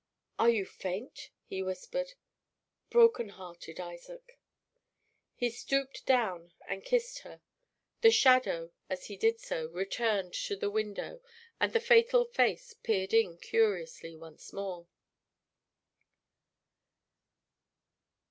"Are you faint?" he whispered. "Broken hearted, Isaac." He stooped down and kissed her. The shadow, as he did so, returned to the window, and the fatal face peered in curiously once more.